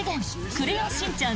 クレヨンしんちゃん